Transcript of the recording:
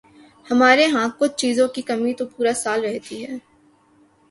ہمارے ہاں کچھ چیزوں کی کمی تو پورا سال رہتی ہے۔